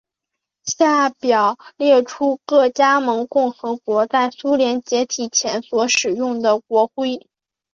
下表列出各加盟共和国在苏联解体前所使用的国徽。